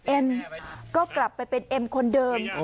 เอ็มก็กลับไปเป็นเอ็มคนเดิม